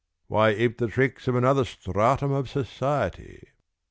Why ape the tricks of another stratum of society?